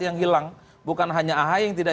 yang hilang bukan hanya ahy yang tidak